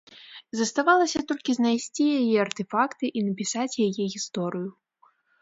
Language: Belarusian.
Заставалася толькі знайсці яе артэфакты і напісаць яе гісторыю.